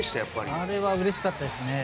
あれはうれしかったですね